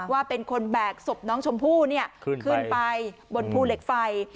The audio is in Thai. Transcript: ว่าเป็นคนแบกศพน้องชมพู่ขึ้นไปบนภูเหล็กไฟ